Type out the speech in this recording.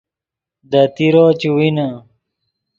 دے تیرو چے وینے